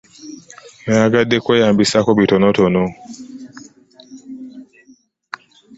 Nayagadde kweyambisaako bitonotono.